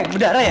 eh bedara ya